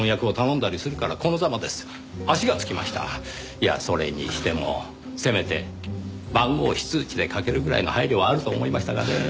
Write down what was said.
いやそれにしてもせめて番号非通知でかけるぐらいの配慮はあると思いましたがねぇ。